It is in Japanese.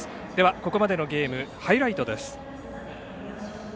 ここまでのゲームハイライトです。